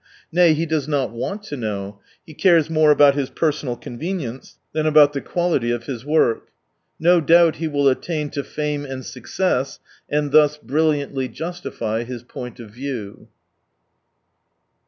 Nay, he does not want to know, he cares more about his personal convenience than about the quality of his work. No doubt he will attain to fame and success, and thus brilliantly justify his "point of view."